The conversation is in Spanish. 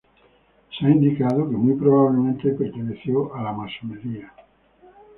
Se ha indicado que muy probablemente perteneció a la masonería.